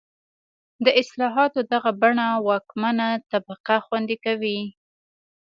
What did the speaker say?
د اصلاحاتو دغه بڼه واکمنه طبقه خوندي کوي.